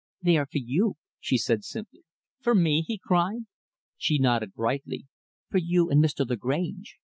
"They are for you," she said simply. "For me?" he cried. She nodded brightly; "For you and Mr. Lagrange.